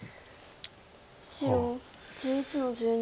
白１１の十二。